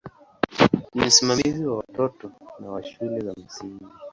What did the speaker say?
Ni msimamizi wa watoto na wa shule za msingi.